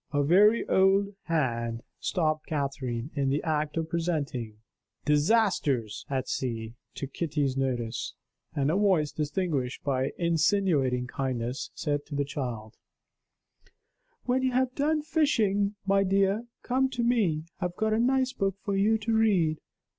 A wary old hand stopped Catherine, in the act of presenting "Disasters at Sea," to Kitty's notice; and a voice, distinguished by insinuating kindness, said to the child: "When you have done fishing, my dear, come to me; I have got a nice book for you to read.